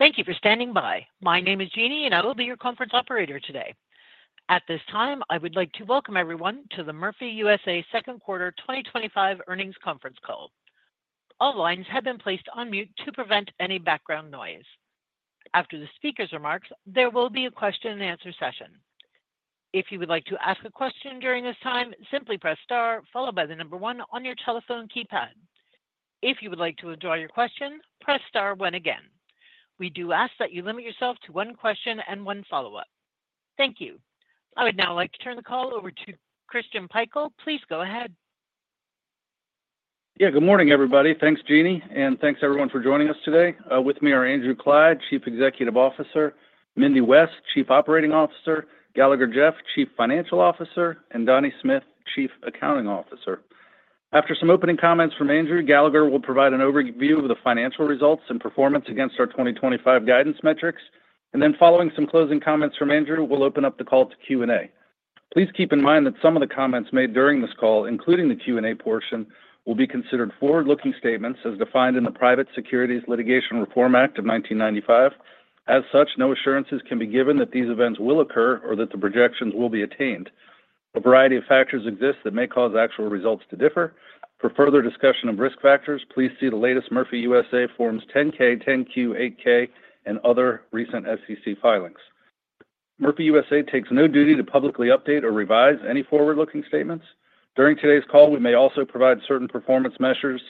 Thank you for standing by. My name is Jeannie, and I will be your conference operator today. At this time, I would like to welcome everyone to the Murphy USA Second Quarter 2025 Earnings Conference Call. All lines have been placed on mute to prevent any background noise. After the speaker's remarks, there will be a question-and-answer session. If you would like to ask a question during this time, simply press star, followed by the number one on your telephone keypad. If you would like to withdraw your question, press star one again. We do ask that you limit yourself to one question and one follow-up. Thank you. I would now like to turn the call over to Christian Pikul. Please go ahead. Yeah, good morning everybody. Thanks Jeannie, and thanks everyone for joining us today. With me are Andrew Clyde, Chief Executive Officer; Mindy West, Chief Operating Officer and Chief Financial Officer; and Donnie Smith, Chief Accounting Officer. After some opening comments from Andrew, Mindy will provide an overview of the financial results and performance against our 2025 guidance metrics. Following some closing comments from Andrew, we'll open up the call to Q&A. Please keep in mind that some of the comments made during this call, including the Q&A portion, will be considered forward-looking statements as defined in the Private Securities Litigation Reform Act of 1995. As such, no assurances can be given that these events will occur or that the projections will be attained. A variety of factors exist that may cause actual results to differ. For further discussion of risk factors, please see the latest Murphy USA Forms 10-K, 10-Q, 8-K, and other recent SEC filings. Murphy USA takes no duty to publicly update or revise any forward-looking statements. During today's call, we may also provide certain performance measures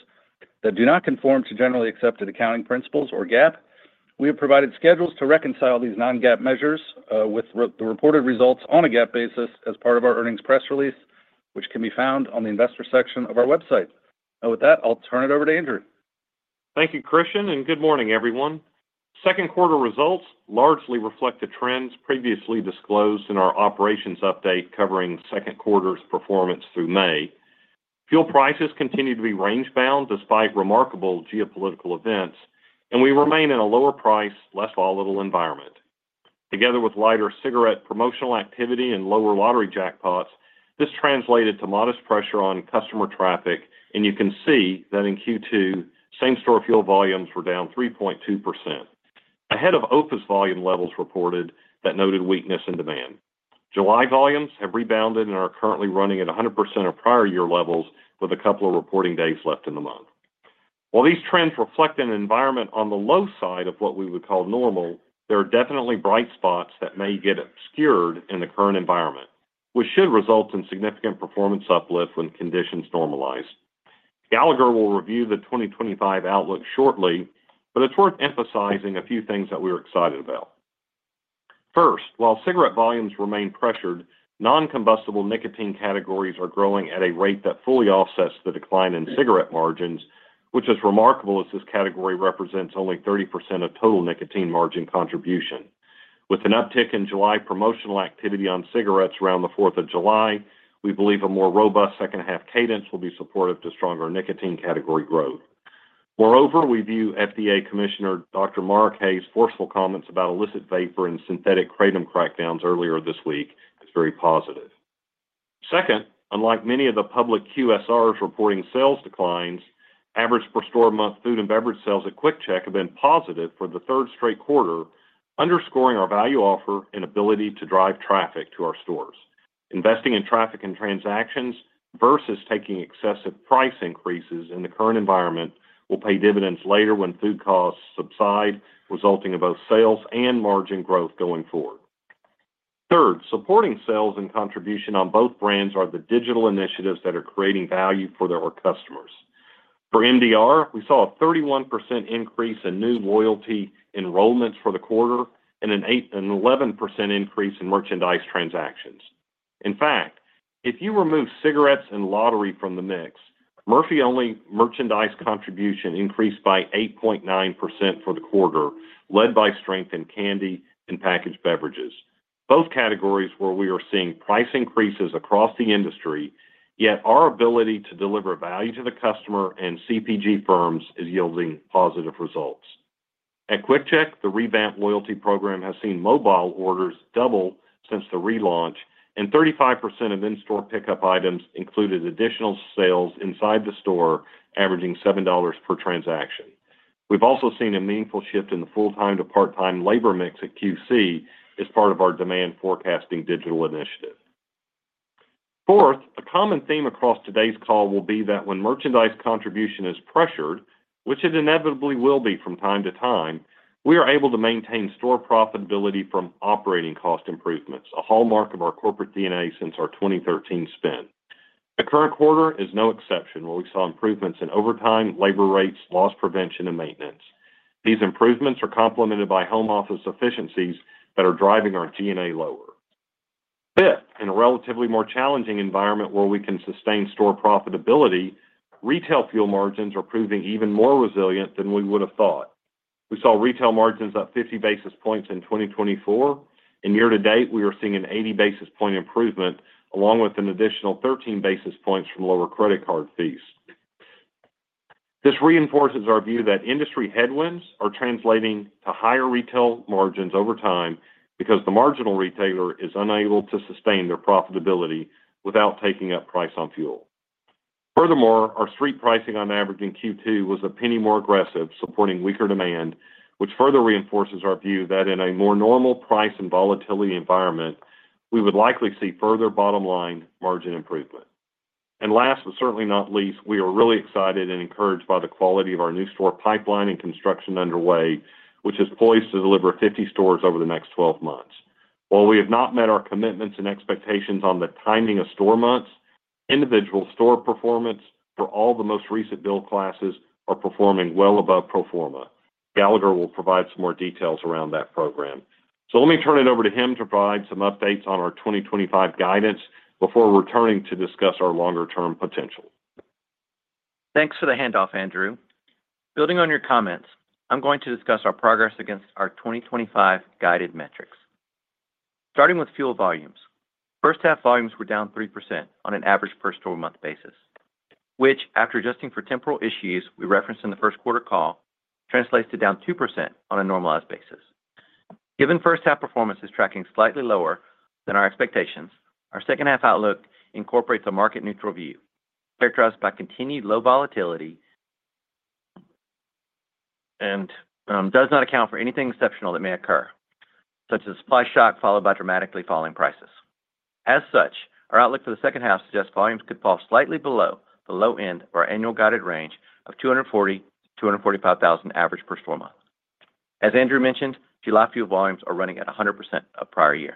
that do not conform to generally accepted accounting principles or GAAP. We have provided schedules to reconcile these non-GAAP measures with the reported results on a GAAP basis as part of our earnings press release, which can be found on the investor section of our website. With that, I'll turn it over to Andrew. Thank you, Christian, and good morning, everyone. Second quarter results largely reflect the trends previously disclosed in our operations update covering second quarter's performance through May. Fuel prices continue to be range-bound despite remarkable geopolitical events, and we remain in a lower price, less volatile environment. Together with lighter cigarette promotional activity and lower lottery jackpots, this translated to modest pressure on customer traffic, and you can see that in Q2, same-store fuel volumes were down 3.2%. Ahead of $0.01/gal volume levels reported that noted weakness in demand. July volumes have rebounded and are currently running at 100% of prior-year levels with a couple of reporting days left in the month. While these trends reflect an environment on the low side of what we would call normal, there are definitely bright spots that may get obscured in the current environment, which should result in significant performance uplift when conditions normalize. Gallagher will review the 2025 outlook shortly, but it's worth emphasizing a few things that we're excited about. First, while cigarette volumes remain pressured, noncombustible nicotine categories are growing at a rate that fully offsets the decline in cigarette margins, which is remarkable as this category represents only 30% of total nicotine margin contribution. With an uptick in July promotional activity on cigarettes around the 4th of July, we believe a more robust second-half cadence will be supportive to stronger nicotine category growth. Moreover, we view FDA Commissioner Dr. Mark Hay's forceful comments about illicit vapor and synthetic kratom crackdowns earlier this week as very positive. Second, unlike many of the public QSRs reporting sales declines, average per-store-month food and beverage sales at QuickChek have been positive for the third straight quarter, underscoring our value offer and ability to drive traffic to our stores. Investing in traffic and transactions versus taking excessive price increases in the current environment will pay dividends later when food costs subside, resulting in both sales and margin growth going forward. Third, supporting sales and contribution on both brands are the digital initiatives that are creating value for our customers. For MDR, we saw a 31% increase in new loyalty enrollments for the quarter and an 11% increase in merchandise transactions. In fact, if you remove cigarettes and lottery from the mix, Murphy only merchandise contribution increased by 8.9% for the quarter, led by strength in candy and packaged beverages. Both categories where we are seeing price increases across the industry, yet our ability to deliver value to the customer and CPG firms is yielding positive results. At QuickChek, the revamped loyalty program has seen mobile orders double since the relaunch, and 35% of in-store pickup items included additional sales inside the store, averaging $7 per transaction. We've also seen a meaningful shift in the full-time-to-part-time labor mix at QC as part of our demand forecasting digital initiative. Fourth, a common theme across today's call will be that when merchandise contribution is pressured, which it inevitably will be from time to time, we are able to maintain store profitability from operating cost improvements, a hallmark of our corporate DNA since our 2013 spin. The current quarter is no exception, where we saw improvements in overtime, labor rates, loss prevention, and maintenance. These improvements are complemented by home office efficiencies that are driving our DNA lower. Fifth, in a relatively more challenging environment where we can sustain store profitability, retail fuel margins are proving even more resilient than we would have thought. We saw retail margins up 50 basis points in 2024, and year to date, we are seeing an 80 basis point improvement, along with an additional 13 basis points from lower credit card fees. This reinforces our view that industry headwinds are translating to higher retail margins over time because the marginal retailer is unable to sustain their profitability without taking up price on fuel. Furthermore, our street pricing on average in Q2 was a penny more aggressive, supporting weaker demand, which further reinforces our view that in a more normal price and volatility environment, we would likely see further bottom=line margin improvement. Last but certainly not least, we are really excited and encouraged by the quality of our new store pipeline and construction underway, which is poised to deliver 50 stores over the next 12 months. While we have not met our commitments and expectations on the timing of store months, individual store performance for all the most recent build classes are performing well above pro forma. Gallagher will provide some more details around that program. Let me turn it over to him to provide some updates on our 2025 guidance before returning to discuss our longer-term potential. Thanks for the handoff, Andrew. Building on your comments, I'm going to discuss our progress against our 2025 guided metrics. Starting with fuel volumes, first-half volumes were down 3% on an average per-store-month basis, which, after adjusting for temporal issues we referenced in the first quarter call, translates to down 2% on a normalized basis. Given first half performance is tracking slightly lower than our expectations, our second half outlook incorporates a market-neutral view, characterized by continued low volatility, and vdoes not account for anything exceptional that may occur, such as a supply shock followed by dramatically falling prices. As such, our outlook for the second half suggests volumes could fall slightly below the low end of our annual guided range of $240,000-$245,000 average-per-store-month. As Andrew mentioned, July fuel volumes are running at 100% of prior year.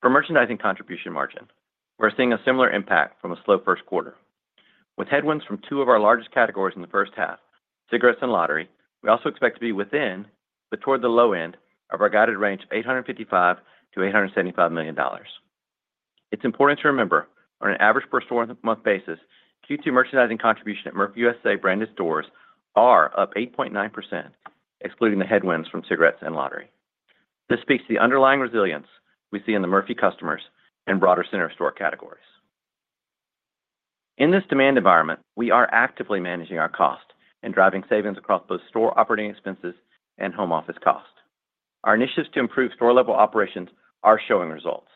For merchandising contribution margin, we're seeing a similar impact from a slow first quarter. With headwinds from two of our largest categories in the first half, cigarettes and lottery, we also expect to be within but toward the low end of our guided range of $855-$875 million. It's important to remember on an average per-store month basis, Q2 merchandising contribution at Murphy USA branded stores are up 8.9%, excluding the headwinds from cigarettes and lottery. This speaks to the underlying resilience we see in the Murphy customers and broader center store categories. In this demand environment, we are actively managing our cost and driving savings across both store operating expenses and home office cost. Our initiatives to improve store-level operations are showing results,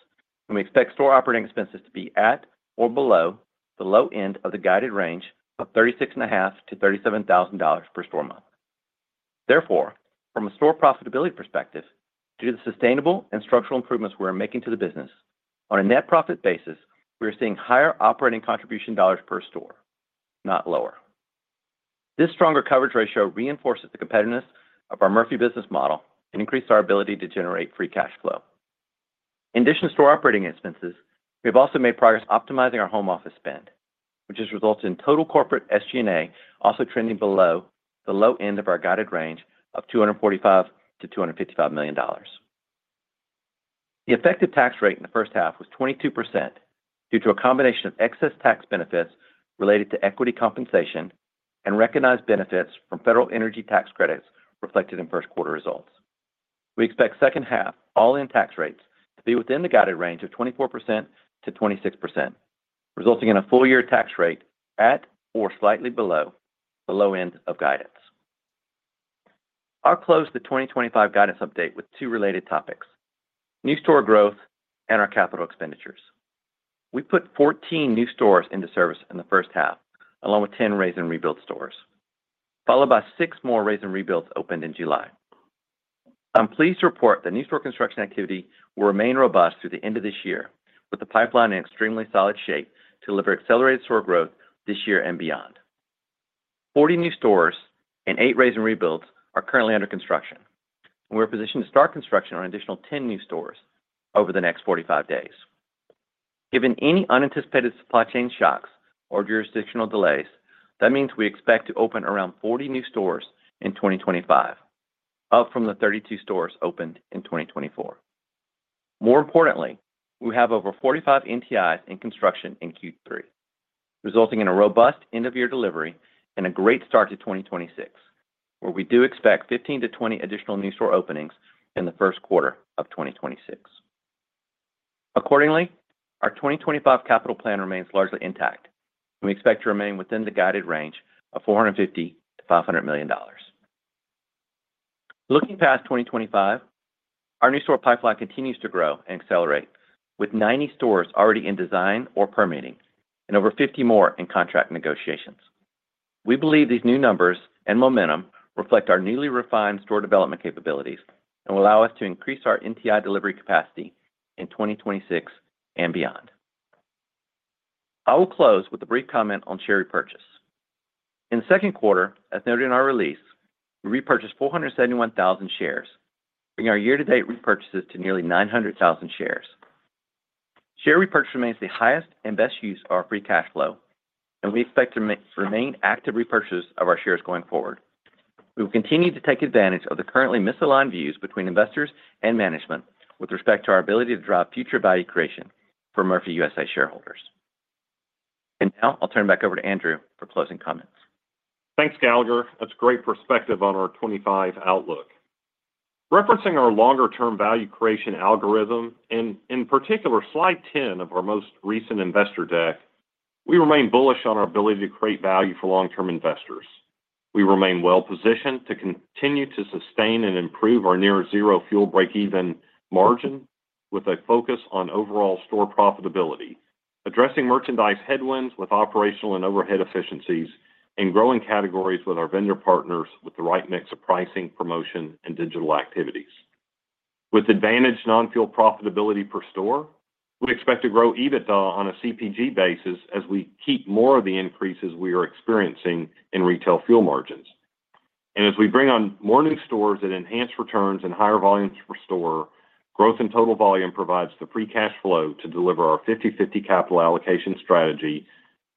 and we expect store operating expenses to be at or below the low end of the guided range of $36,500-$37,000 per store month. Therefore, from a store profitability perspective, due to the sustainable and structural improvements we are making to the business, on a net profit basis, we are seeing higher operating contribution dollars per store, not lower. This stronger coverage ratio reinforces the competitiveness of our Murphy business model and increases our ability to generate free cash flow. In addition to store operating expenses, we have also made progress optimizing our home office spend, which has resulted in total corporate SG&A also trending below the low end of our guided range of $245-$255 million. The effective tax rate in the first half was 22% due to a combination of excess tax benefits related to equity compensation and recognized benefits from federal energy tax credits reflected in first quarter results. We expect second-half all-in tax rates to be within the guided range of 24%-26%, resulting in a full-year tax rate at or slightly below the low end of guidance. I'll close the 2025 guidance update with two related topics: new store growth and our capital expenditures. We put 14 new stores into service in the first half, along with 10 raze-and-rebuild stores, followed by six more raze-and-rebuilds opened in July. I'm pleased to report that new store construction activity will remain robust through the end of this year, with the pipeline in extremely solid shape to deliver accelerated store growth this year and beyond. Forty new stores and eight raze-and-rebuilds are currently under construction, and we're positioned to start construction on an additional 10 new stores over the next 45 days. Given any unanticipated supply chain shocks or jurisdictional delays, that means we expect to open around 40 new stores in 2025, up from the 32 stores opened in 2024. More importantly, we have over 45 NTIs in construction in Q3, resulting in a robust end-of-year delivery and a great start to 2026, where we do expect 15-20 additional new store openings in the first quarter of 2026. Accordingly, our 2025 capital plan remains largely intact, and we expect to remain within the guided range of $450-$500 million. Looking past 2025, our new store pipeline continues to grow and accelerate, with 90 stores already in design or permitting and over 50 more in contract negotiations. We believe these new numbers and momentum reflect our newly refined store development capabilities and will allow us to increase our NTI delivery capacity in 2026 and beyond. I will close with a brief comment on share repurchase. In the second quarter, as noted in our release, we repurchased 471,000 shares, bringing our year-to-date repurchases to nearly 900,000 shares. Share repurchase remains the highest and best use of our free cash flow, and we expect to remain active repurchasers of our shares going forward. We will continue to take advantage of the currently misaligned views between investors and management with respect to our ability to drive future value creation for Murphy USA shareholders. Now I'll turn it back over to Andrew for closing comments. Thanks, Mindy. That's great perspective on our 2025 outlook. Referencing our longer-term value creation algorithm, and in particular slide 10 of our most recent investor deck, we remain bullish on our ability to create value for long-term investors. We remain well-positioned to continue to sustain and improve our near-zero fuel breakeven margin with a focus on overall store profitability, addressing merchandise headwinds with operational and overhead efficiencies, and growing categories with our vendor partners with the right mix of pricing, promotion, and digital activities. With advantaged non-fuel profitability per store, we expect to grow EBITDA on a CPG basis as we keep more of the increases we are experiencing in retail fuel margins. As we bring on more new stores that enhance returns and higher volumes per store, growth in total volume provides the free cash flow to deliver our 50/50 capital allocation strategy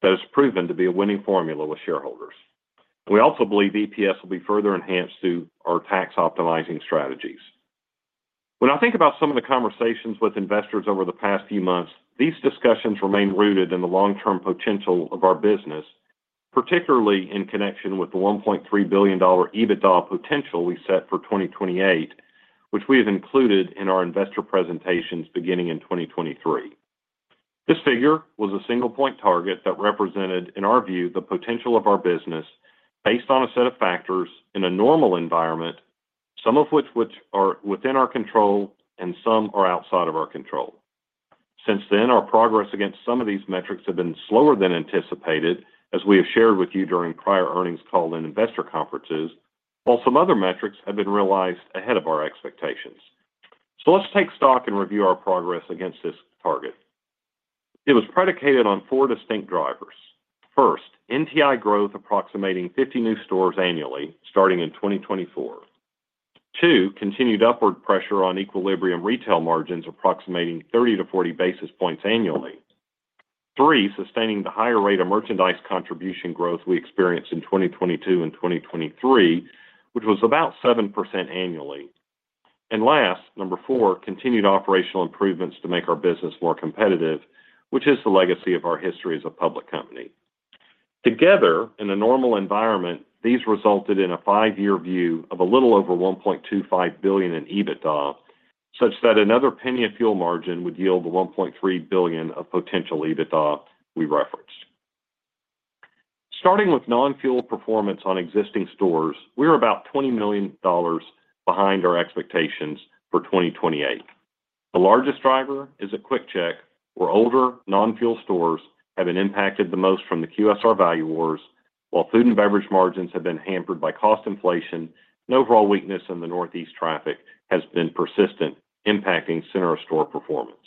that has proven to be a winning formula with shareholders. We also believe EPS will be further enhanced through our tax optimizing strategies. When I think about some of the conversations with investors over the past few months, these discussions remain rooted in the long-term potential of our business, particularly in connection with the $1.3 billion EBITDA potential we set for 2028, which we have included in our investor presentations beginning in 2023. This figure was a single-point target that represented, in our view, the potential of our business based on a set of factors in a normal environment, some of which are within our control and some are outside of our control. Since then, our progress against some of these metrics has been slower than anticipated, as we have shared with you during prior earnings calls and investor conferences, while some other metrics have been realized ahead of our expectations. Let's take stock and review our progress against this target. It was predicated on four distinct drivers. First, NTI growth approximating 50 new stores annually starting in 2024. Two, continued upward pressure on equilibrium retail margins approximating 30-40 basis points annually. Three, sustaining the higher rate of merchandise contribution growth we experienced in 2022-2023, which was about 7% annually. Last, number four, continued operational improvements to make our business more competitive, which is the legacy of our history as a public company. Together, in a normal environment, these resulted in a five-year view of a little over $1.25 billion in EBITDA, such that another penny of fuel margin would yield the $1.3 billion of potential EBITDA we referenced. Starting with non-fuel performance on existing stores, we are about $20 million behind our expectations for 2028. The largest driver is at QuickChek, where older non-fuel stores have been impacted the most from the QSR value wars, while food and beverage margins have been hampered by cost inflation and overall weakness in the Northeast. Traffic has been persistent, impacting center store performance.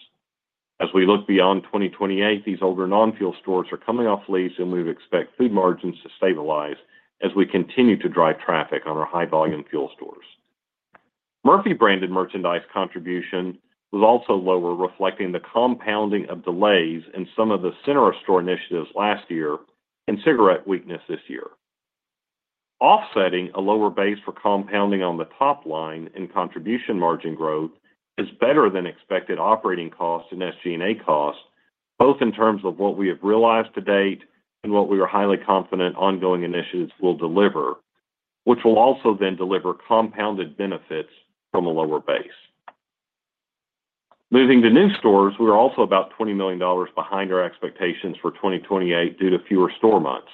As we look beyond 2028, these older non-fuel stores are coming off lease, and we would expect food margins to stabilize as we continue to drive traffic on our high-volume fuel stores. Murphy branded merchandise contribution was also lower, reflecting the compounding of delays in some of the center store initiatives last year and cigarette weakness this year. Offsetting a lower base for compounding on the top line and contribution margin growth is better than expected operating cost and SG&A cost, both in terms of what we have realized to date and what we are highly confident ongoing initiatives will deliver, which will also then deliver compounded benefits from a lower base. Moving to new stores, we are also about $20 million behind our expectations for 2028 due to fewer store months.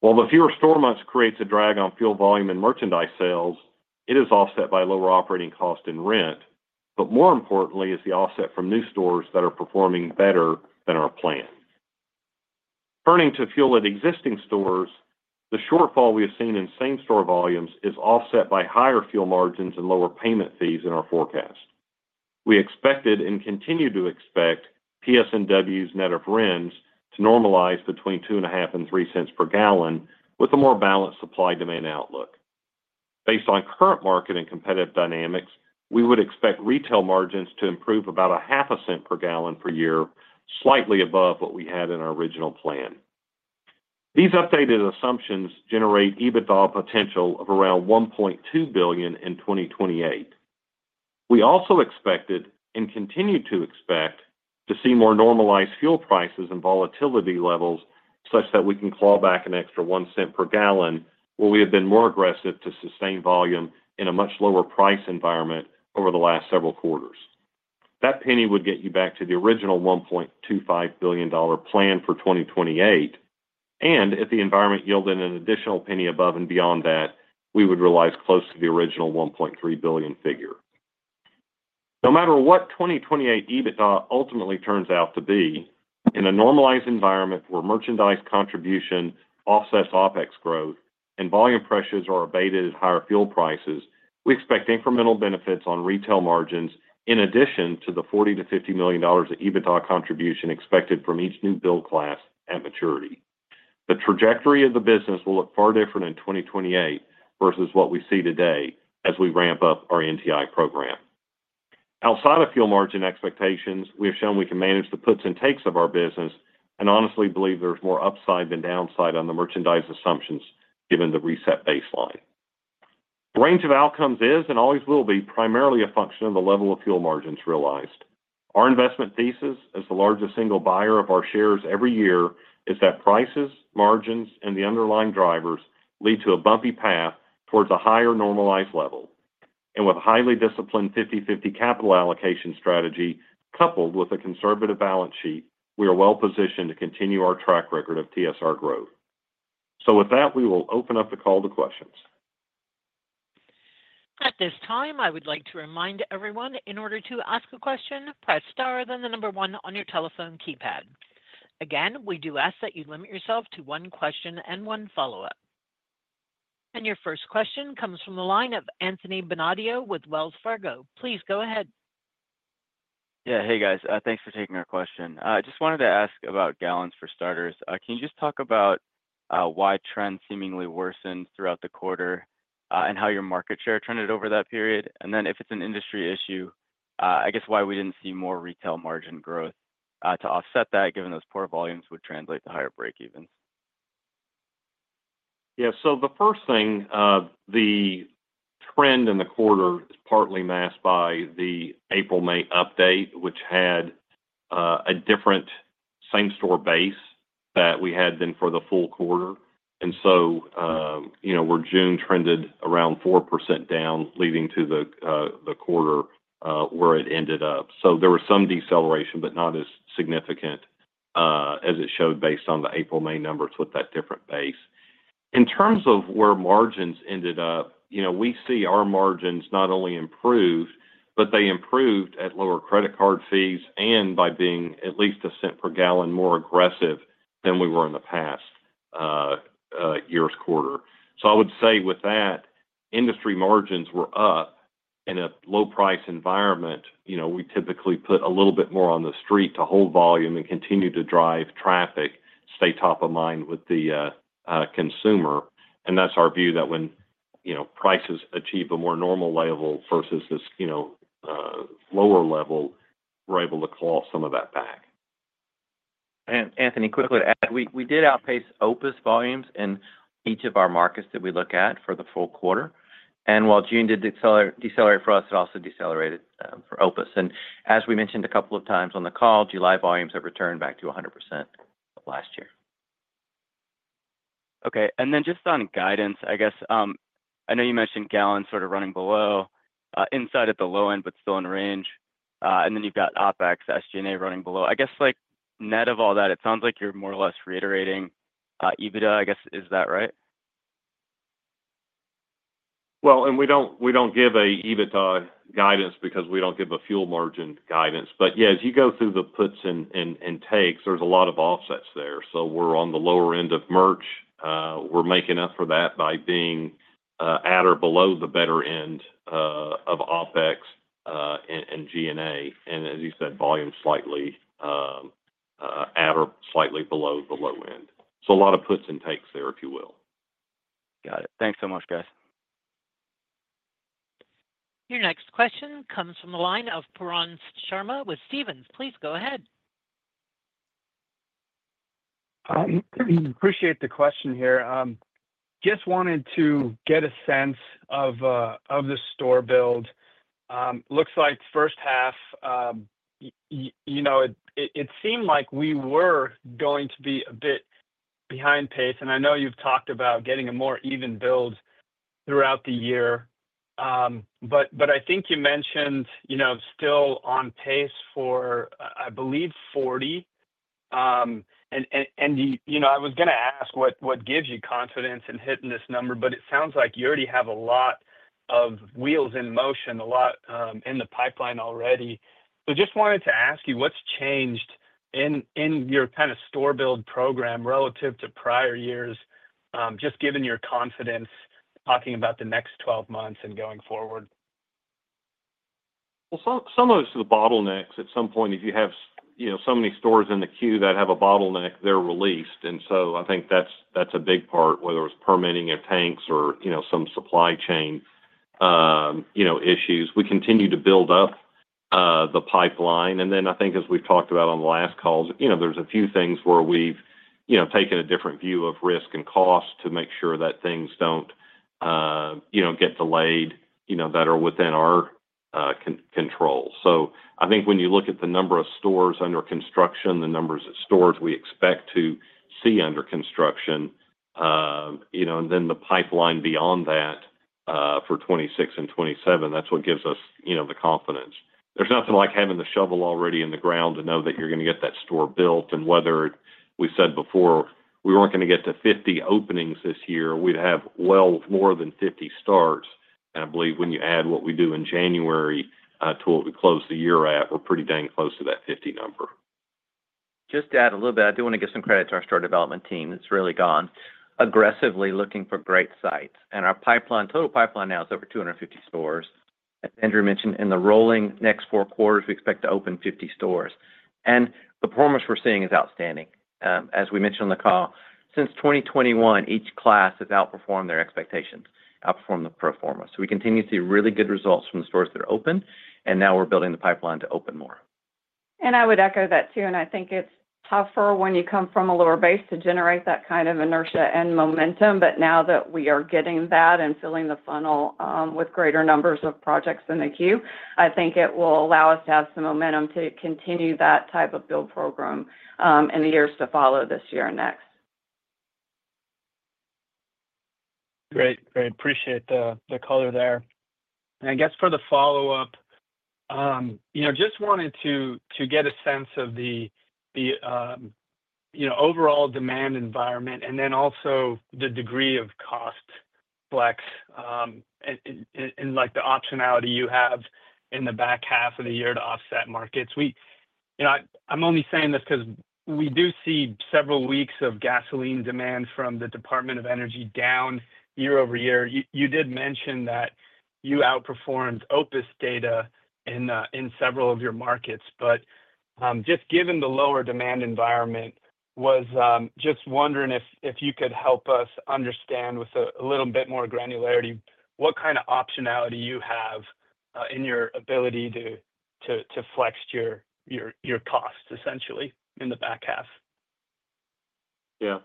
While the fewer store months create a drag on fuel volume and merchandise sales, it is offset by lower operating cost and rent, but more importantly is the offset from new stores that are performing better than our plan. Turning to fuel at existing stores, the shortfall we have seen in same-store volumes is offset by higher fuel margins and lower payment fees in our forecast. We expected and continue to expect PS&W's net of REMS to normalize between $0.025-$0.03/gal with a more balanced supply-demand outlook. Based on current market and competitive dynamics, we would expect retail margins to improve about a half a cent per gallon per year, slightly above what we had in our original plan. These updated assumptions generate EBITDA potential of around $1.2 billion in 2028. We also expected and continue to expect to see more normalized fuel prices and volatility levels, such that we can claw back an extra $0.01/gal, where we have been more aggressive to sustain volume in a much lower price environment over the last several quarters. That penny would get you back to the original $1.25 billion plan for 2028, and if the environment yielded an additional penny above and beyond that, we would realize close to the original $1.3 billion figure. No matter what 2028 EBITDA ultimately turns out to be, in a normalized environment where merchandise contribution offsets OpEx growth and volume pressures are abated at higher fuel prices, we expect incremental benefits on retail margins in addition to the $40-$50 million of EBITDA contribution expected from each new build class at maturity. The trajectory of the business will look far different in 2028 versus what we see today as we ramp up our NTI program. Outside of fuel margin expectations, we have shown we can manage the puts and takes of our business and honestly believe there's more upside than downside on the merchandise assumptions, given the reset baseline. The range of outcomes is and always will be primarily a function of the level of fuel margins realized. Our investment thesis, as the largest single buyer of our shares every year, is that prices, margins, and the underlying drivers lead to a bumpy path towards a higher normalized level. With a highly disciplined 50/50 capital allocation strategy, coupled with a conservative balance sheet, we are well-positioned to continue our track record of TSR growth. With that, we will open up the call to questions. At this time, I would like to remind everyone, in order to ask a question, press star then the number one on your telephone keypad. Again, we do ask that you limit yourself to one question and one follow-up. Your first question comes from the line of Anthony Bonadio with Wells Fargo. Please go ahead. Yeah, hey guys, thanks for taking our question. I just wanted to ask about gallons for starters. Can you just talk about why trends seemingly worsened throughout the quarter and how your market share trended over that period? If it's an industry issue, I guess why we didn't see more retail margin growth to offset that, given those poor volumes would translate to higher breakevens? Yeah, the first thing, the trend in the quarter is partly masked by the April-May update, which had a different same-store base than we had for the full quarter. You know, where June trended around 4% down, leading to the quarter where it ended up. There was some deceleration, but not as significant as it showed based on the April-May numbers with that different base. In terms of where margins ended up, we see our margins not only improved, but they improved at lower credit card fees and by being at least $0.01/gal more aggressive than we were in the past year's quarter. I would say with that, industry margins were up. In a low-price environment, we typically put a little bit more on the street to hold volume and continue to drive traffic, stay top of mind with the consumer. That's our view that when prices achieve a more normal level versus this lower level, we're able to claw some of that back. Anthony, quickly to add, we did outpace OPIS volumes in each of our markets that we look at for the full quarter. While June did decelerate for us, it also decelerated for OPIS. As we mentioned a couple of times on the call, July volumes have returned back to 100% of last year. Okay, and then just on guidance, I guess, I know you mentioned gallons sort of running below, inside at the low end, but still in range. You've got OpEx, SG&A running below. I guess, net of all that, it sounds like you're more or less reiterating EBITDA, I guess, is that right? We don't give an EBITDA guidance because we don't give a fuel margin guidance. As you go through the puts and takes, there's a lot of offsets there. We're on the lower end of merch. We're making up for that by being at or below the better end of OpEx and G&A. As you said, volume slightly at or slightly below the low end. A lot of puts and takes there, if you will. Got it. Thanks so much, guys. Your next question comes from the line of Pooran Sharma with Stephens. Please go ahead. I appreciate the question here. Just wanted to get a sense of the store build. Looks like first half, you know, it seemed like we were going to be a bit behind pace. I know you've talked about getting a more even build throughout the year. I think you mentioned, you know, still on pace for, I believe, 40. I was going to ask what gives you confidence in hitting this number, but it sounds like you already have a lot of wheels in motion, a lot in the pipeline already. I just wanted to ask you, what's changed in your kind of store build program relative to prior years, just given your confidence talking about the next 12 months and going forward? Some of it's the bottlenecks. At some point, if you have, you know, so many stores in the queue that have a bottleneck, they're released. I think that's a big part, whether it was permitting or tanks or, you know, some supply chain, you know, issues. We continue to build up the pipeline. I think, as we've talked about on the last calls, you know, there's a few things where we've, you know, taken a different view of risk and cost to make sure that things don't, you know, get delayed, you know, that are within our control. I think when you look at the number of stores under construction, the numbers of stores we expect to see under construction, you know, and then the pipeline beyond that for 2026-2027, that's what gives us, you know, the confidence. There's nothing like having the shovel already in the ground to know that you're going to get that store built. Whether we said before, we weren't going to get to 50 openings this year, we'd have well more than 50 starts. I believe when you add what we do in January to what we close the year at, we're pretty dang close to that 50 number. Just to add a little bit, I do want to give some credit to our store development team. It's really gone aggressively looking for great sites. Our total pipeline now is over 250 stores. As Andrew mentioned, in the rolling next four quarters, we expect to open 50 stores. The performance we're seeing is outstanding. As we mentioned on the call, since 2021, each class has outperformed their expectations, outperformed the proforma. We continue to see really good results from the stores that are open, and now we're building the pipeline to open more. I would echo that too. I think it's tougher when you come from a lower base to generate that kind of inertia and momentum. Now that we are getting that and filling the funnel with greater numbers of projects in the queue, I think it will allow us to have some momentum to continue that type of build program in the years to follow this year and next. Great. I appreciate the color there. For the follow-up, just wanted to get a sense of the overall demand environment and then also the degree of cost flex and the optionality you have in the back half of the year to offset markets. I'm only saying this because we do see several weeks of gasoline demand from the Department of Energy down year over year. You did mention that you outperformed OPIS data in several of your markets. Given the lower demand environment, was just wondering if you could help us understand with a little bit more granularity what kind of optionality you have in your ability to flex your costs, essentially, in the back half? Yeah.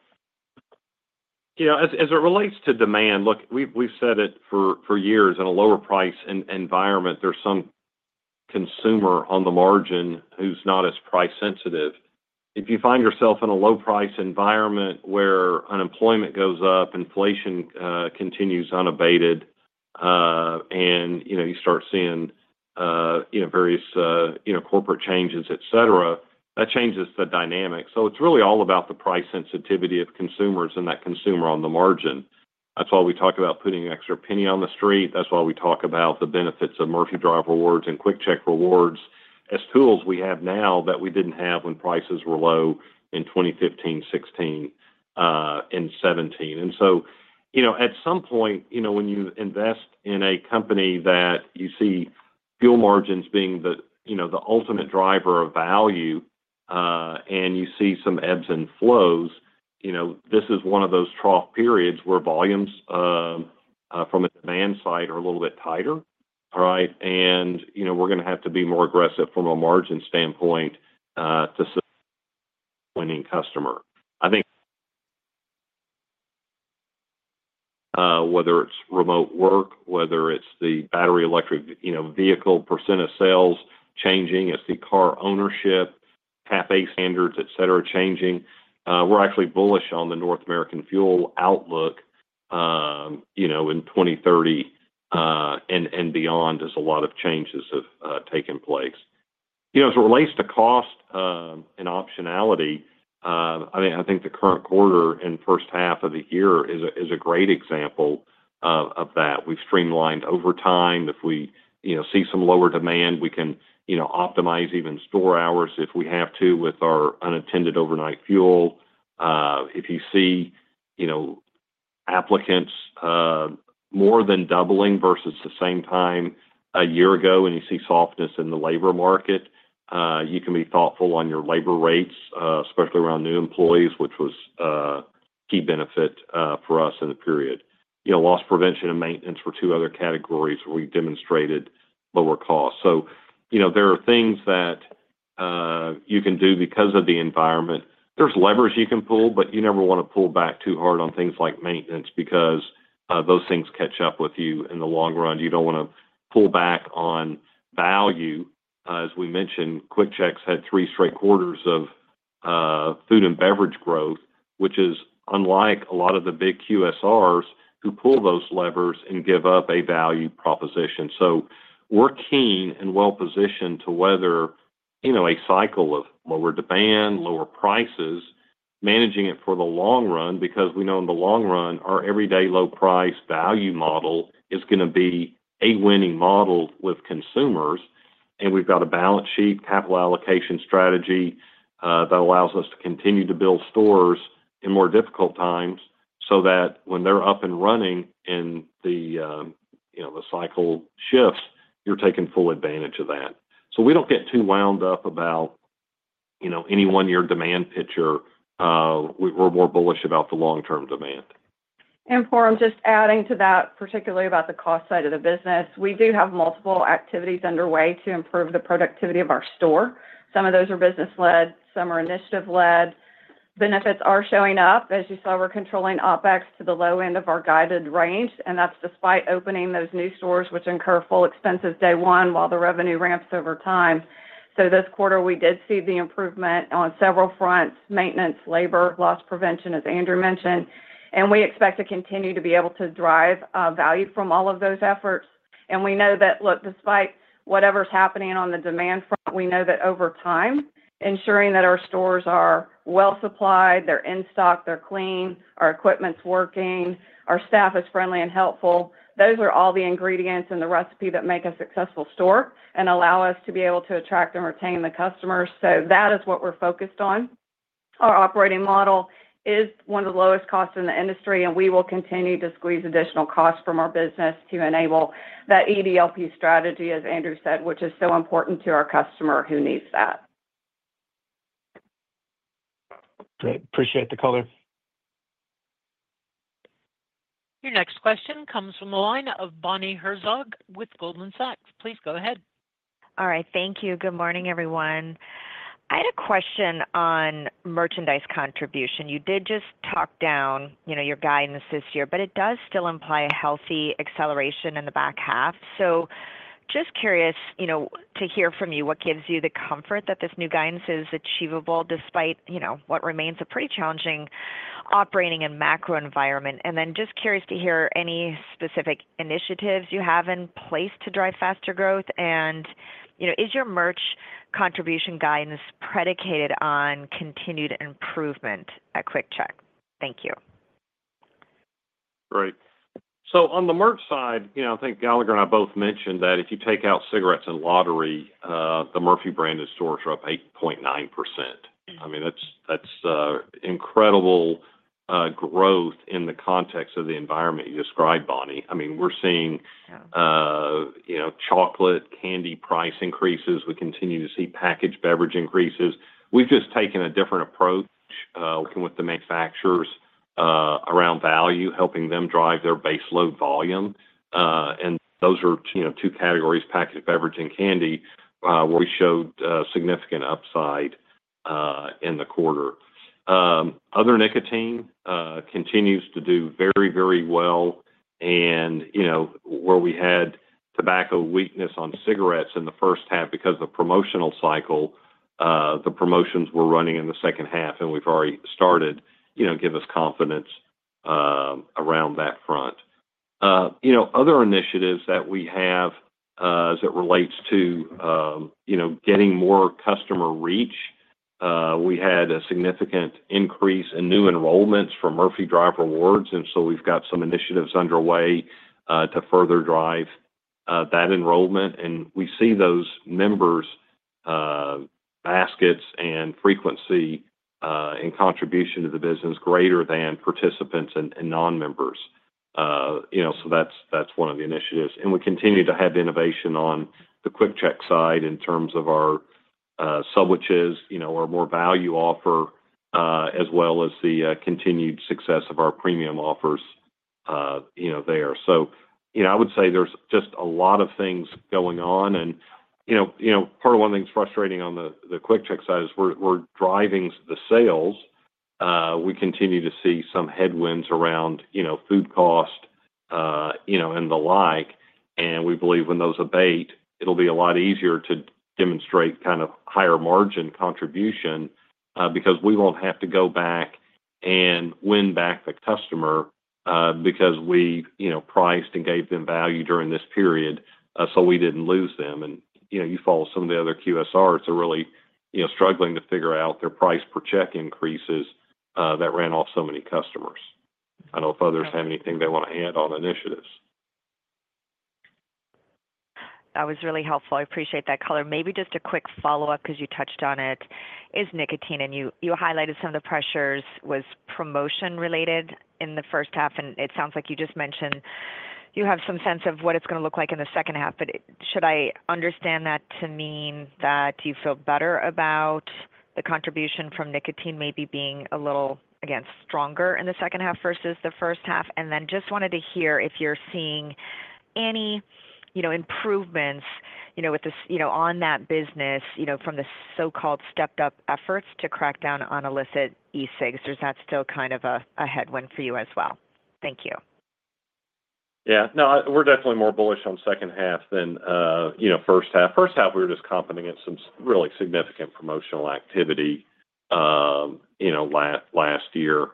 As it relates to demand, look, we've said it for years, in a lower price environment, there's some consumer on the margin who's not as price sensitive. If you find yourself in a low-price environment where unemployment goes up, inflation continues unabated, and you start seeing various corporate changes, etc., that changes the dynamics. It's really all about the price sensitivity of consumers and that consumer on the margin. That's why we talk about putting an extra penny on the street. That's why we talk about the benefits of Murphy Drive Rewards and QuickChek Rewards as tools we have now that we didn't have when prices were low in 2015-2017. At some point, when you invest in a company that you see fuel margins being the ultimate driver of value, and you see some ebbs and flows, this is one of those trough periods where volumes from a demand side are a little bit tighter. All right. We're going to have to be more aggressive from a margin standpoint to winning customers. I think whether it's remote work, whether it's the battery-electric vehicle percentage of sales changing, it's the car ownership, CapEx standards, etc., changing. We're actually bullish on the North American fuel outlook in 2030 and beyond as a lot of changes have taken place. As it relates to cost and optionality, I think the current quarter and first half of the year is a great example of that. We've streamlined overtime. If we see some lower demand, we can optimize even store hours if we have to with our unattended overnight fuel. If you see applicants more than doubling versus the same time a year ago, and you see softness in the labor market, you can be thoughtful on your labor rates, especially around new employees, which was a key benefit for us in the period. Loss prevention and maintenance were two other categories where we demonstrated lower costs. There are things that you can do because of the environment. There's levers you can pull, but you never want to pull back too hard on things like maintenance because those things catch up with you in the long run. You don't want to pull back on value. As we mentioned, QuickChek had three straight quarters of food and beverage growth, which is unlike a lot of the big QSRs who pull those levers and give up a value proposition. We're keen and well-positioned to weather a cycle of lower demand, lower prices, managing it for the long run because we know in the long run, our everyday low-price value model is going to be a winning model with consumers. We've got a balance sheet, capital allocation strategy that allows us to continue to build stores in more difficult times, so that when they're up and running and the cycle shifts, you're taking full advantage of that. We don't get too wound up about any one-year demand picture. We're more bullish about the long-term demand. Just adding to that, particularly about the cost side of the business, we do have multiple activities underway to improve the productivity of our store. Some of those are business-led, some are initiative-led. Benefits are showing up. As you saw, we're controlling OpEx to the low end of our guided range, and that's despite opening those new stores, which incur full expenses day one while the revenue ramps over time. This quarter, we did see the improvement on several fronts: maintenance, labor, loss prevention, as Andrew mentioned. We expect to continue to be able to drive value from all of those efforts. We know that, look, despite whatever's happening on the demand front, we know that over time, ensuring that our stores are well supplied, they're in stock, they're clean, our equipment's working, our staff is friendly and helpful, those are all the ingredients and the recipe that make a successful store and allow us to be able to attract and retain the customers. That is what we're focused on. Our operating model is one of the lowest costs in the industry, and we will continue to squeeze additional costs from our business to enable that EDLP strategy, as Andrew said, which is so important to our customer who needs that. Great. Appreciate the color. Your next question comes from the line of Bonnie Herzog with Goldman Sachs. Please go ahead. All right. Thank you. Good morning, everyone. I had a question on merchandise contribution. You did just talk down, you know, your guidance this year, but it does still imply a healthy acceleration in the back half. Just curious, you know, to hear from you, what gives you the comfort that this new guidance is achievable despite, you know, what remains a pretty challenging operating and macro environment? Just curious to hear any specific initiatives you have in place to drive faster growth. Is your merchandise contribution guidance predicated on continued improvement at QuickChek? Thank you. Great. On the merch side, I think Gallagher and I both mentioned that if you take out cigarettes and lottery, the Murphy branded stores are up 8.9%. That's incredible growth in the context of the environment you described, Bonnie. We're seeing chocolate, candy price increases. We continue to see packaged beverage increases. We've just taken a different approach, working with the manufacturers around value, helping them drive their base load volume. Those are two categories, packaged beverage and candy, where we showed significant upside in the quarter. Other nicotine continues to do very, very well. Where we had tobacco weakness on cigarettes in the first half because of the promotional cycle, the promotions were running in the second half, and we've already started to give us confidence around that front [in packaged beverage salesont]. Other initiatives that we have as it relates to getting more customer reach, we had a significant increase in new enrollments from Murphy Drive Rewards. We've got some initiatives underway to further drive that enrollment. We see those members' baskets, and frequency and contribution to the business greater than participants and non-members. That's one of the initiatives. We continue to have innovation on the QuickChek side in terms of our subwiches or more value offer as well as the continued success of our premium offers there. I would say there's just a lot of things going on. Part of one thing that's frustrating on the QuickChek side is we're driving the sales. We continue to see some headwinds around food cost and the like. We believe when those abate, it'll be a lot easier to demonstrate kind of higher margin contribution because we won't have to go back and win back the customer because we've priced and gave them value during this period. We didn't lose them. You follow some of the other QSRs who are really struggling to figure out their price per check increases that ran off so many customers. I don't know if others have anything they want to add on initiatives. That was really helpful. I appreciate that color. Maybe just a quick follow-up because you touched on it is nicotine. You highlighted some of the pressures was promotion-related in the first half. It sounds like you just mentioned you have some sense of what it's going to look like in the second half. Should I understand that to mean that you feel better about the contribution from nicotine, maybe being a little, again, stronger in the second half versus the first half? I just wanted to hear if you're seeing any improvements with this on that business from the so-called stepped-up efforts to crack down on illicit e-cigs. Is that still kind of a headwind for you as well? Thank you. Yeah. No, we're definitely more bullish on the second half than the first half. First half, we were just comping against some really significant promotional activity last year.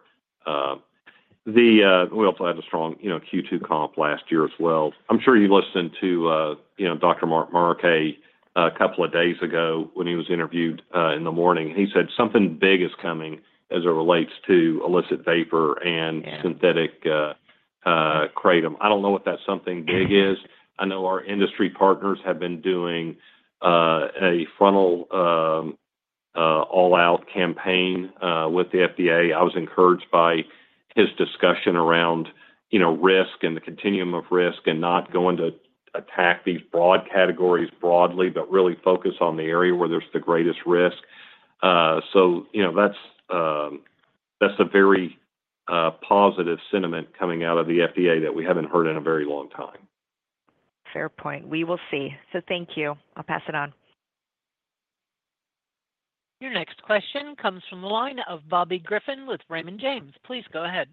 We also had a strong Q2 comp last year as well. I'm sure you listened to Dr. Mark Murray a couple of days ago when he was interviewed in the morning. He said something big is coming as it relates to illicit vapor and synthetic kratom. I don't know what that something big is. I know our industry partners have been doing a full all-out campaign with the FDA. I was encouraged by his discussion around risk and the continuum of risk and not going to attack these broad categories broadly, but really focus on the area where there's the greatest risk. That's a very positive sentiment coming out of the FDA that we haven't heard in a very long time. Fair point. We will see. Thank you. I'll pass it on. Your next question comes from the line of Bobby Griffin with Raymond James. Please go ahead.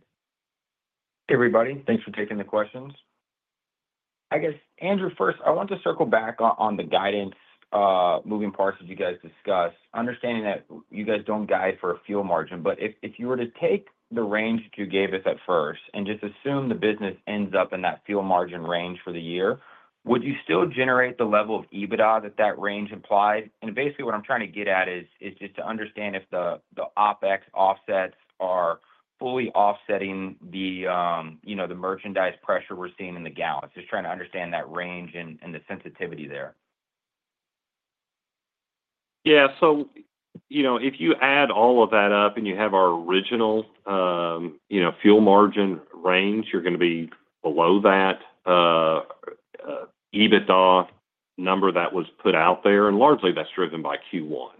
Hey, everybody. Thanks for taking the questions. I guess, Andrew, first, I want to circle back on the guidance moving parts that you guys discussed, understanding that you guys don't guide for a fuel margin. If you were to take the range that you gave us at first and just assume the business ends up in that fuel margin range for the year, would you still generate the level of EBITDA that that range implies? Basically, what I'm trying to get at is just to understand if the OpEx offsets are fully offsetting the, you know, the merchandise pressure we're seeing in the gallons. Just trying to understand that range and the sensitivity there? Yeah. If you add all of that up and you have our original, you know, fuel margin range, you're going to be below that EBITDA number that was put out there. Largely, that's driven by Q1,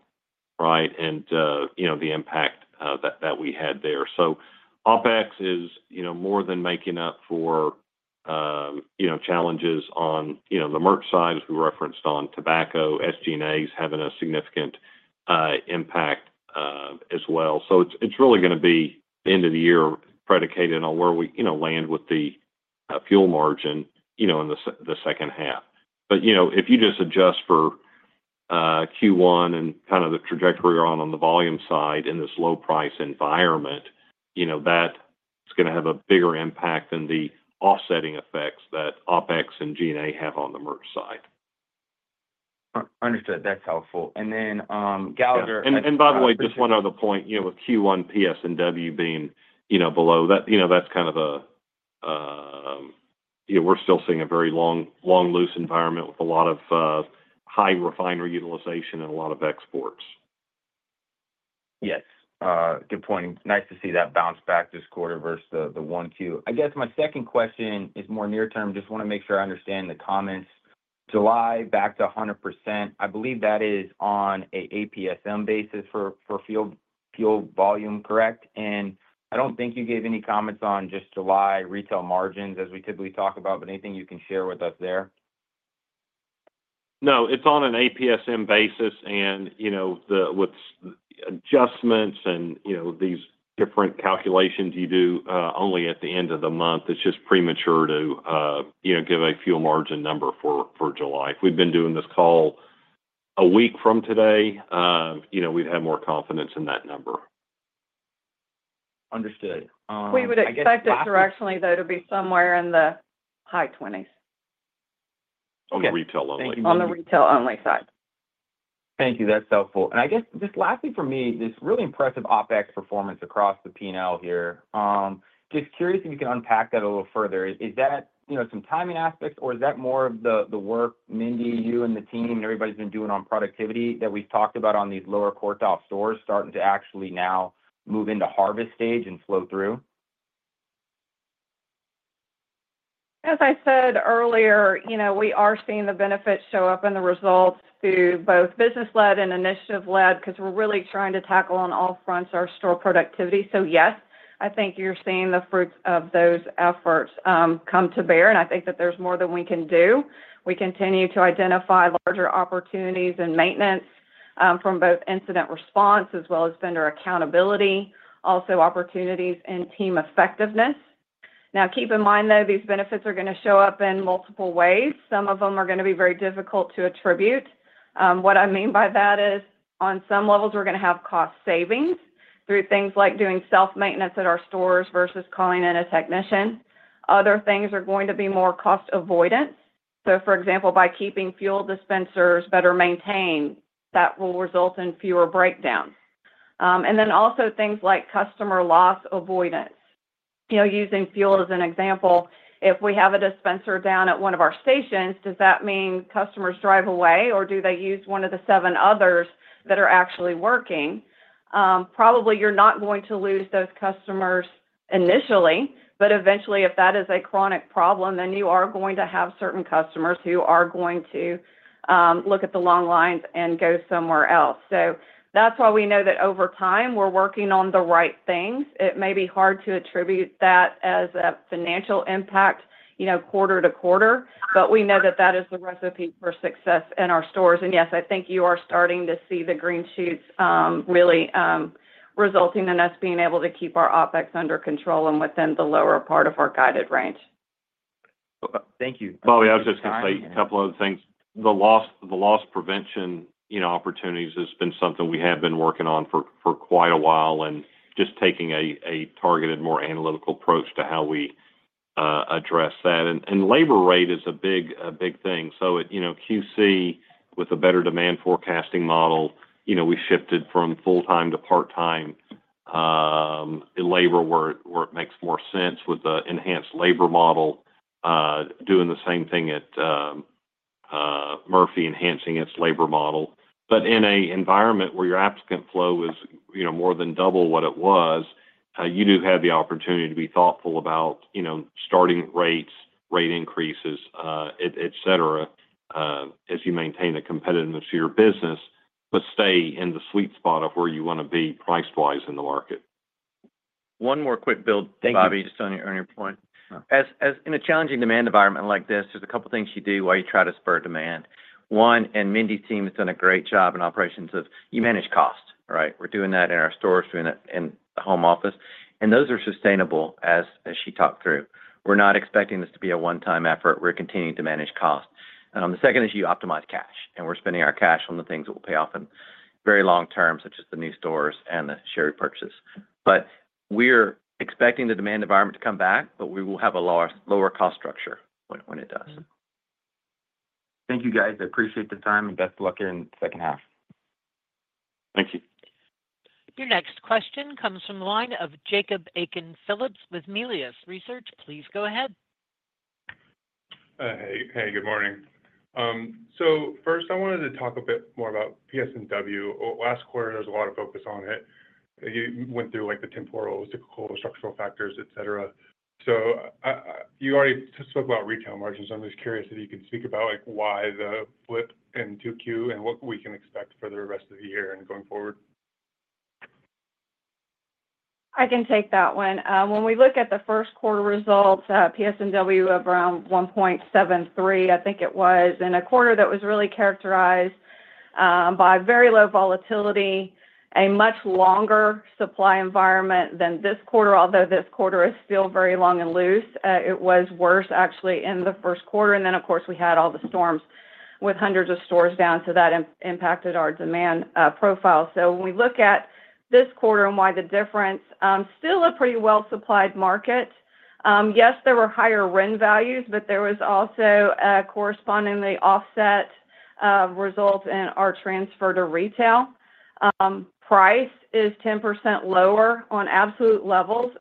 right, and the impact that we had there. OpEx is more than making up for challenges on the merch side, as we referenced on tobacco. SG&A is having a significant impact as well. It's really going to be end of the year predicated on where we land with the fuel margin in the second half. If you just adjust for Q1 and kind of the trajectory you're on on the volume side in this low-price environment, that's going to have a bigger impact than the offsetting effects that OpEx and G&A have on the merch side. Understood. That's helpful. And then, Gallagher. By the way, just one other point, with Q1 PS&W being below that, that's kind of a, we're still seeing a very long, long loose environment with a lot of high refiner utilization and a lot of exports. Yes. Good point. Nice to see that bounce back this quarter versus the 1Q. I guess my second question is more near-term. Just want to make sure I understand the comments. July back to 100%. I believe that is on an APSM basis for fuel volume, correct? I don't think you gave any comments on just July retail margins as we typically talk about, but anything you can share with us there? No, it's on an APSM basis. With adjustments and these different calculations you do only at the end of the month, it's just premature to give a fuel margin number for July. If we'd been doing this call a week from today, we'd have more confidence in that number. Understood. We would [crosstal] expect it directionally, though, to be somewhere in the high 20%s. On the retail [crosstalk[ only. On the retail only side. Thank you. That's helpful. I guess just lastly for me, this really impressive OpEx performance across the P&L here. Just curious if you can unpack that a little further. Is that, you know, some timing aspects, or is that more of the work, Mindy, you and the team and everybody's been doing on productivity that we've talked about on these lower quartile stores starting to actually now move into harvest stage and flow through? As I said earlier, you know, we are seeing the benefits show up in the results through both business-led and initiative-led because we're really trying to tackle all fronts of our store productivity. Yes, I think you're seeing the fruits of those efforts come to bear. I think that there's more that we can do. We continue to identify larger opportunities and maintenance from both incident response as well as vendor accountability, and opportunities in team effectiveness. Now, keep in mind, though, these benefits are going to show up in multiple ways. Some of them are going to be very difficult to attribute. What I mean by that is on some levels, we're going to have cost savings through things like doing self-maintenance at our stores versus calling in a technician. Other things are going to be more cost-avoidant. For example, by keeping fuel dispensers better maintained, that will result in fewer breakdowns. Also, things like customer loss avoidance. You know, using fuel as an example, if we have a dispenser down at one of our stations, does that mean customers drive away, or do they use one of the seven others that are actually working? Probably you're not going to lose those customers initially, but eventually, if that is a chronic problem, then you are going to have certain customers who are going to look at the long lines and go somewhere else. That's why we know that over time, we're working on the right things. It may be hard to attribute that as a financial impact, you know, quarter to quarter, but we know that that is the recipe for success in our stores. Yes, I think you are starting to see the green shoots really resulting in us being able to keep our OpEx under control and within the lower part of our guided range. Thank you. Bobby, I was just going to say a couple of other things. The loss prevention opportunities have been something we have been working on for quite a while and just taking a targeted, more analytical approach to how we address that. Labor rate is a big, a big thing. At QC, with a better demand forecasting model, we shifted from full-time to part-time labor, where it makes more sense with the enhanced labor model, doing the same thing at Murphy, enhancing its labor model. In an environment where your applicant flow is more than double what it was, you do have the opportunity to be thoughtful about starting rates, rate increases, etc., as you maintain the competitiveness of your business but stay in the sweet spot of where you want to be price-wise in the market. One more quick build, Bobby, just on your earlier point. In a challenging demand environment like this, there's a couple of things you do while you try to spur demand. One, and Mindy's team has done a great job in operations, you manage cost, right? We're doing that in our stores, doing that in the home office. Those are sustainable as she talked through. We're not expecting this to be a one-time effort. We're continuing to manage cost. On the second issue, you optimize cash. We're spending our cash on the things that will pay off in very long term, such as the new stores and the share repurchases. We're expecting the demand environment to come back, but we will have a lower cost structure when it does. Thank you, guys. I appreciate the time, and best of luck in the second half. Thank you. Your next question comes from the line of Jacob Aiken-Phillips with Melius Research. Please go ahead. Hey, good morning. First, I wanted to talk a bit more about PS&W. Last quarter, there was a lot of focus on it. You went through the temporal, cyclical, structural factors, etc. You already spoke about retail margins. I'm just curious if you can speak about why the flip in 2Q and what we can expect for the rest of the year and going forward? I can take that one. When we look at the first quarter results, PS&W of around $1.73, I think it was in a quarter that was really characterized by very low volatility, a much longer supply environment than this quarter, although this quarter is still very long and loose. It was worse, actually, in the first quarter. Of course, we had all the storms with hundreds of stores down, so that impacted our demand profile. When we look at this quarter and why the difference, still a pretty well-supplied market. Yes, there were higher RIN values, but there was also a correspondingly offset result in our transfer to retail. Price is 10% lower on absolute levels.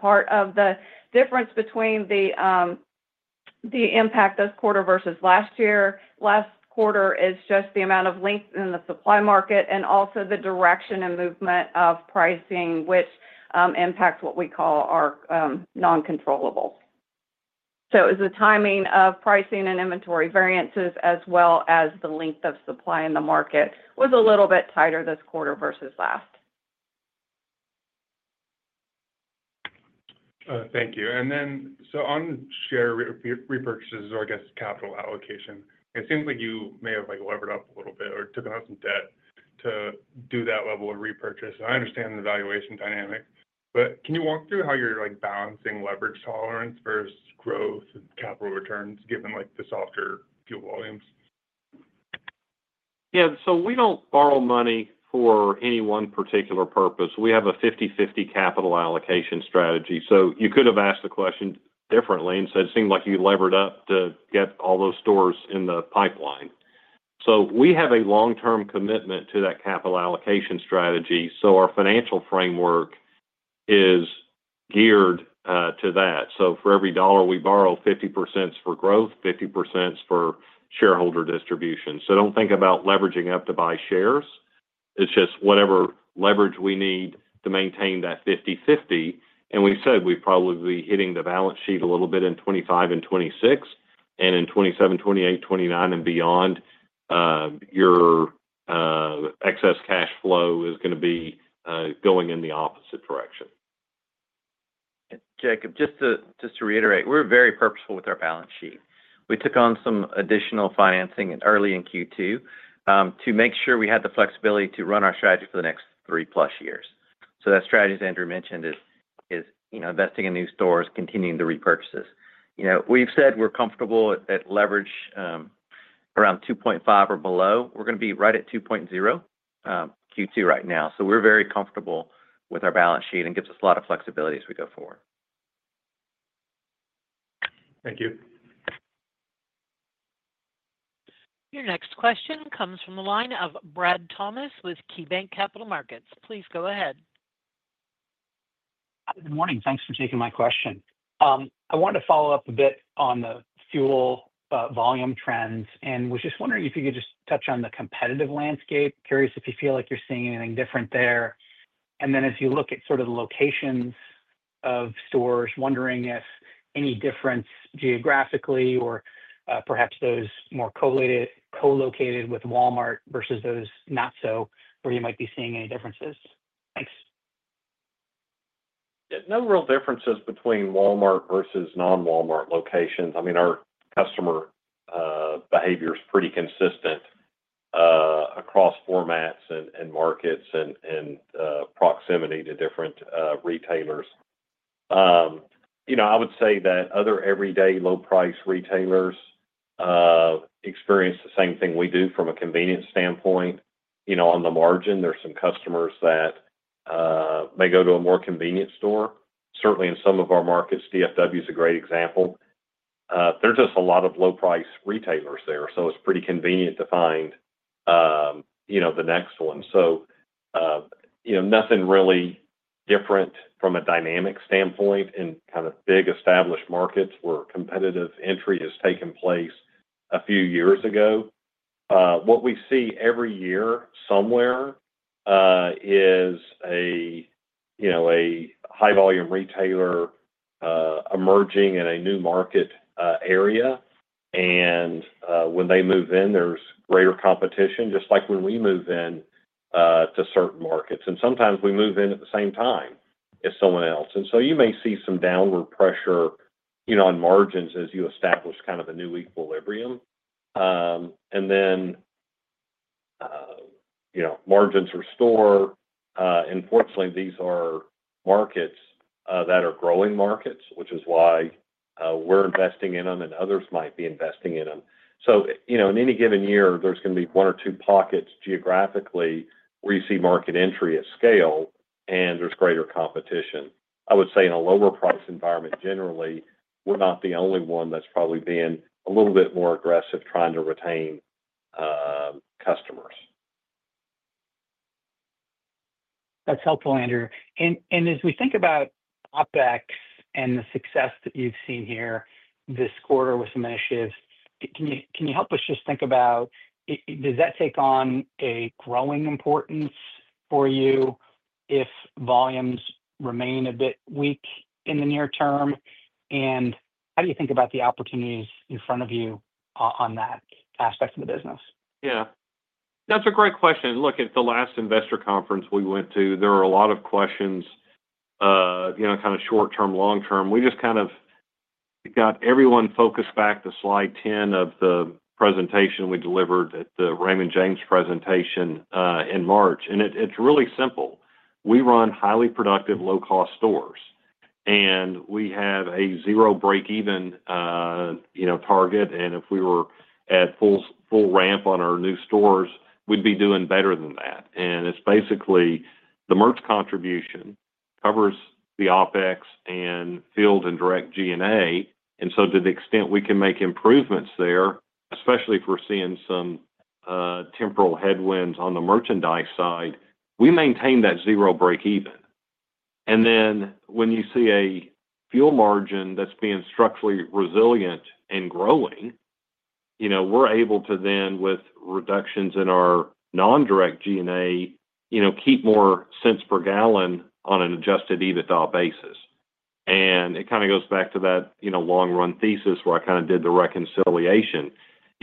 Part of the difference between the impact this quarter versus last year, last quarter is just the amount of length in the supply market and also the direction and movement of pricing, which impacts what we call our non-controllables. It was the timing of pricing and inventory variances, as well as the length of supply in the market was a little bit tighter this quarter versus last. Thank you. On share repurchases, or I guess capital allocation, it seems like you may have levered up a little bit or took on some debt to do that level of repurchase. I understand the valuation dynamic, but can you walk through how you're balancing leverage tolerance versus growth and capital returns given the softer fuel volumes? Yeah. We don't borrow money for any one particular purpose. We have a 50/50 capital allocation strategy. You could have asked the question differently and said it seemed like you levered up to get all those stores in the pipeline. We have a long-term commitment to that capital allocation strategy. Our financial framework is geared to that. For every dollar we borrow, 50% is for growth, 50% is for shareholder distribution. Don't think about leveraging up to buy shares. It's just whatever leverage we need to maintain that 50/50. We said we'd probably be hitting the balance sheet a little bit in 2025-2026, and in 2027-2029, and beyond, your excess cash flow is going to be going in the opposite direction. Jacob, just to reiterate, we're very purposeful with our balance sheet. We took on some additional financing early in Q2 to make sure we had the flexibility to run our strategy for the next 3+ years. That strategy, as Andrew mentioned, is investing in new stores, continuing the repurchases. We've said we're comfortable at leverage around 2.5x or below. We're going to be right at 2.0x Q2 right now. We're very comfortable with our balance sheet, and it gives us a lot of flexibility as we go forward. Thank you. Your next question comes from the line of Brad Thomas with KeyBanc Capital Markets. Please go ahead. Good morning. Thanks for taking my question. I wanted to follow up a bit on the fuel volume trends and was just wondering if you could just touch on the competitive landscape. Curious if you feel like you're seeing anything different there. As you look at sort of the locations of stores, wondering if any difference geographically or perhaps those more co-located with Walmart versus those not so, where you might be seeing any differences. Thanks. Yeah, no real differences between Walmart versus non-Walmart locations. I mean, our customer behavior is pretty consistent across formats and markets and proximity to different retailers. I would say that other everyday low-price retailers experience the same thing we do from a convenience standpoint. On the margin, there's some customers that may go to a more convenient store. Certainly, in some of our markets, DFW is a great example. There's just a lot of low-price retailers there. It's pretty convenient to find the next one. Nothing really different from a dynamic standpoint in big established markets where competitive entry has taken place a few years ago. What we see every year somewhere is a high-volume retailer emerging in a new market area. When they move in, there's greater competition, just like when we move in to certain markets. Sometimes we move in at the same time as someone else, and you may see some downward pressure on margins as you establish a new equilibrium. Then margins restore. Fortunately, these are markets that are growing markets, which is why we're investing in them and others might be investing in them. In any given year, there's going to be one or two pockets geographically where you see market entry at scale and there's greater competition. I would say in a lower-price environment, generally, we're not the only one that's probably being a little bit more aggressive trying to retain customers. That's helpful, Andrew. As we think about OpEx and the success that you've seen here this quarter with some initiatives, can you help us just think about whether that takes on a growing importance for you if volumes remain a bit weak in the near term? How do you think about the opportunities in front of you on that aspect of the business? Yeah. That's a great question. Look, at the last investor conference we went to, there were a lot of questions, you know, kind of short-term, long-term. We just kind of got everyone focused back to slide 10 of the presentation we delivered at the Raymond James presentation in March. It's really simple. We run highly productive, low-cost stores. We have a zero break-even, you know, target. If we were at full full ramp on our new stores, we'd be doing better than that. It's basically the merch contribution covers the OpEx and field and direct G&A. To the extent we can make improvements there, especially if we're seeing some temporal headwinds on the merchandise side, we maintain that zero break-even. When you see a fuel margin that's being structurally resilient and growing, you know, we're able to then, with reductions in our non-direct G&A, you know, keep more cents per gallon on an adjusted EBITDA basis. It kind of goes back to that, you know, long-run thesis where I kind of did the reconciliation.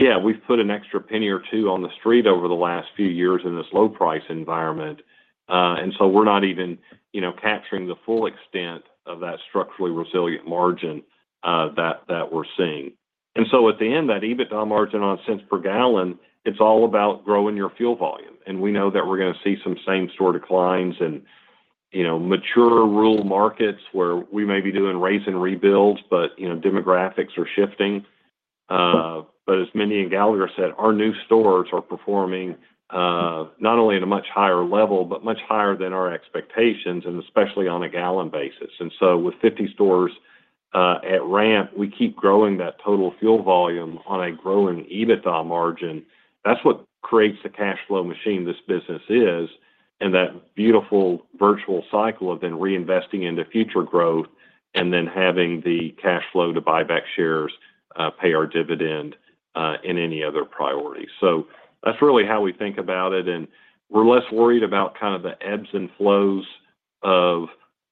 Yeah, we've put an extra penny or two on the street over the last few years in this low-price environment, and so we're not even, you know, capturing the full extent of that structurally resilient margin that we're seeing. At the end, that EBITDA margin on cents per gallon, it's all about growing your fuel volume. We know that we're going to see some same-store declines in, you know, mature rural markets where we may be doing raze-and-rebuilds, but, you know, demographics are shifting. As Mindy and Gallagher said, our new stores are performing not only at a much higher level, but much higher than our expectations, and especially on a gallon basis. With 50 stores, at ramp, we keep growing that total fuel volume on a growing EBITDA margin. That's what creates the cash flow machine this business is, and that beautiful virtual cycle of then reinvesting into future growth and then having the cash flow to buy back shares, pay our dividend, in any other priority. That's really how we think about it. We're less worried about kind of the ebbs and flows of,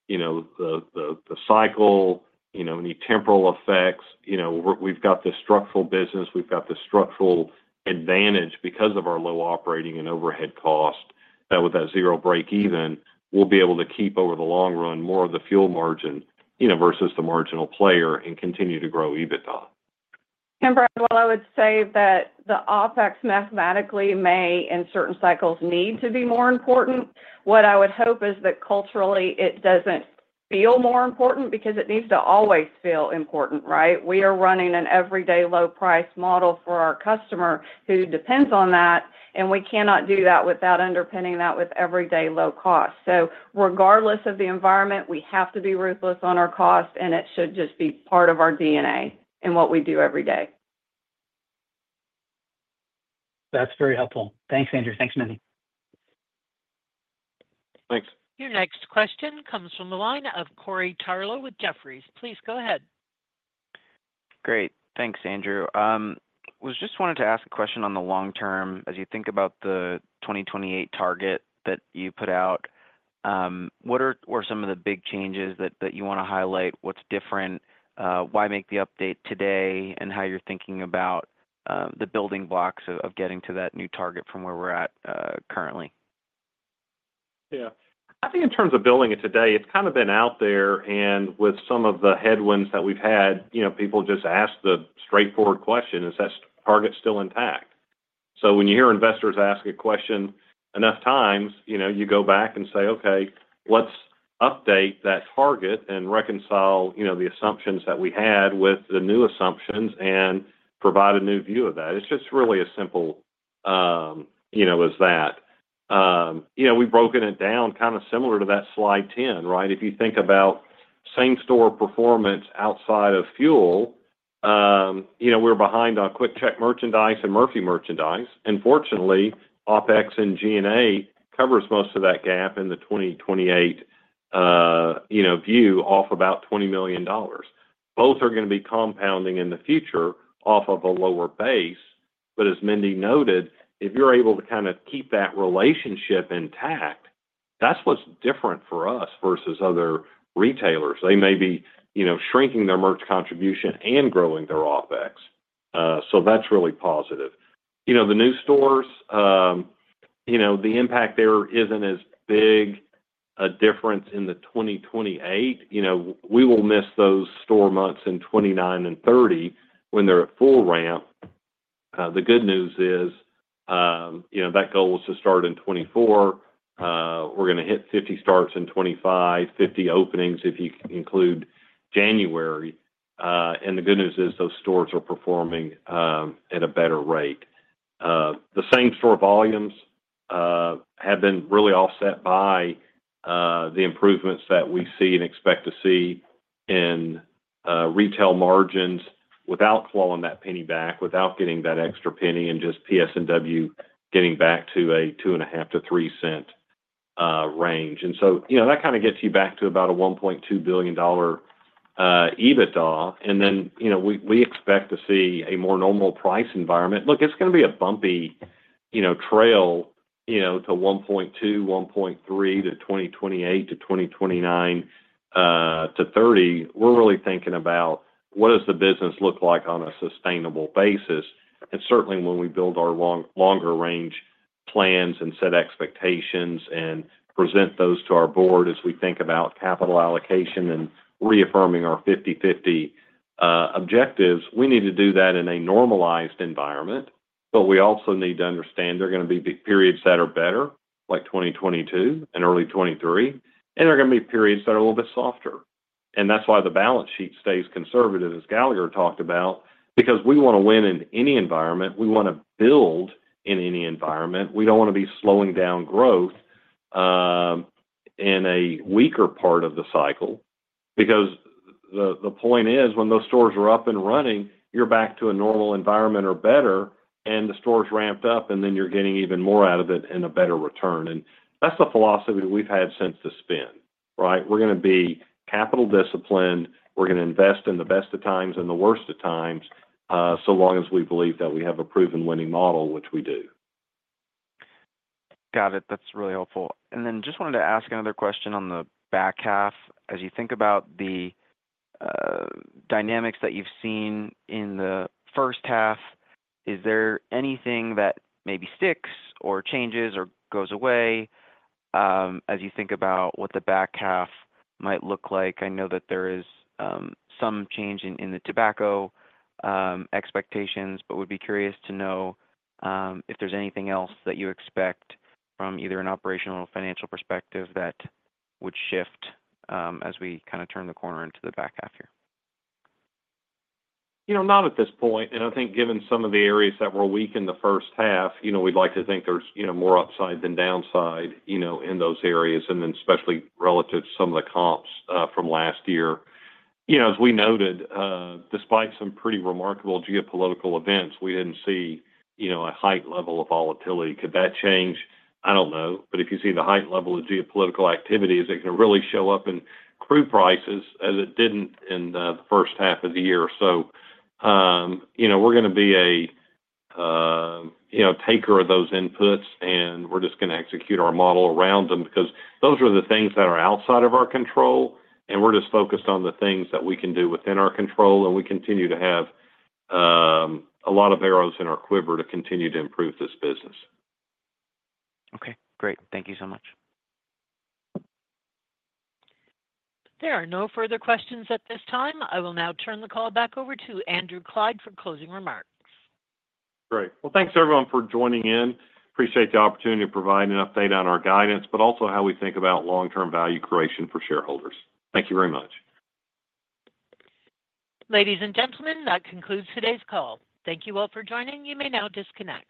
you know, the cycle, you know, any temporal effects. We've got this structural business. We've got this structural advantage because of our low operating and overhead cost. With that zero break-even, we'll be able to keep over the long run more of the fuel margin, you know, versus the marginal player and continue to grow EBITDA. Brad, while I would say that the OpEx mathematically may in certain cycles need to be more important, what I would hope is that culturally it doesn't feel more important because it needs to always feel important, right? We are running an everyday low-price model for our customer who depends on that, and we cannot do that without underpinning that with everyday low cost. Regardless of the environment, we have to be ruthless on our cost, and it should just be part of our DNA and what we do every day. That's very helpful. Thanks, Andrew. Thanks, Mindy. Thanks. Your next question comes from the line of Corey Tarlowe with Jefferies. Please go ahead. Great. Thanks, Andrew. I just wanted to ask a question on the long term. As you think about the 2028 target that you put out, what are some of the big changes that you want to highlight? What's different? Why make the update today, and how you're thinking about the building blocks of getting to that new target from where we're at currently? Yeah. I think in terms of building it today, it's kind of been out there, and with some of the headwinds that we've had, people just ask the straightforward question, is that target still intact? When you hear investors ask a question enough times, you go back and say, okay, let's update that target and reconcile the assumptions that we had with the new assumptions and provide a new view of that. It's just really as simple as that. We've broken it down kind of similar to that slide 10, right? If you think about same-store performance outside of fuel, we're behind on QuickChek merchandise and Murphy merchandise. Fortunately, OpEx and G&A covers most of that gap in the 2028 view off about $20 million. Both are going to be compounding in the future off of a lower base. As Mindy noted, if you're able to kind of keep that relationship intact, that's what's different for us versus other retailers. They may be shrinking their merch contribution and growing their OpEx, so that's really positive. The new stores, the impact there isn't as big a difference in 2028. We will miss those store months in 2029-2030 when they're at full ramp. The good news is that the goal was to start in 2024. We're going to hit 50 starts in 2025, 50 openings if you include January. The good news is that those stores are performing at a better rate. The same-store volumes have been really offset by the improvements that we see and expect to see in retail margins without clawing that penny back, without getting that extra penny, and just PS&W getting back to a $0.025-$0.03 range. That kind of gets you back to about a $1.2 billion EBITDA. We expect to see a more normal price environment. It's going to be a bumpy trail to $1.2 billion-$1.3 billion to 2028-2030. We're really thinking about what does the business look like on a sustainable basis. Certainly, when we build our longer-range plans and set expectations and present those to our board as we think about capital allocation and reaffirming our 50/50 objectives, we need to do that in a normalized environment. We also need to understand there are going to be periods that are better, like 2022 and early 2023, and there are going to be periods that are a little bit softer. That is why the balance sheet stays conservative, as Gallagher talked about, because we want to win in any environment. We want to build in any environment. We do not want to be slowing down growth in a weaker part of the cycle because the point is when those stores are up and running, you are back to a normal environment or better, and the store is ramped up, and then you are getting even more out of it and a better return. That is the philosophy we have had since the spin, right? We are going to be capital disciplined. We are going to invest in the best of times and the worst of times, so long as we believe that we have a proven winning model, which we do. Got it. That's really helpful. I just wanted to ask another question on the back half. As you think about the dynamics that you've seen in the first half, is there anything that maybe sticks or changes or goes away as you think about what the back half might look like? I know that there is some change in the tobacco expectations, but would be curious to know if there's anything else that you expect from either an operational or financial perspective that would shift as we kind of turn the corner into the back half here? Not at this point. I think given some of the areas that were weak in the first half, we'd like to think there's more upside than downside in those areas, especially relative to some of the comps from last year. As we noted, despite some pretty remarkable geopolitical events, we didn't see a high level of volatility. Could that change? I don't know. If you see the high level of geopolitical activities, it can really show up in crude prices as it didn't in the first half of the year. We're going to be a taker of those inputs, and we're just going to execute our model around them because those are the things that are outside of our control, and we're just focused on the things that we can do within our control. We continue to have a lot of arrows in our quiver to continue to improve this business. Okay. Great. Thank you so much. There are no further questions at this time. I will now turn the call back over to Andrew Clyde for closing remarks. Great. Thank you everyone for joining in. Appreciate the opportunity to provide an update on our guidance, but also how we think about long-term value creation for shareholders. Thank you very much. Ladies and gentlemen, that concludes today's call. Thank you all for joining. You may now disconnect.